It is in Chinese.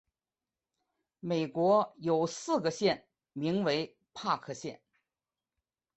美国有四个县名为伯克县。